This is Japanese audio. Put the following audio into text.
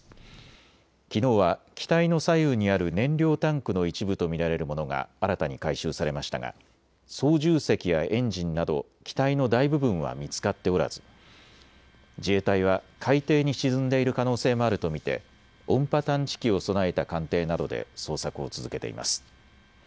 きのうは機体の左右にある燃料タンクの一部と見られるものが新たに回収されましたが操縦席やエンジンなど機体の大部分は見つかっておらず自衛隊は海底に沈んでいる可能性もあると見て音波探知機を備えた艦艇などで捜索を続けています。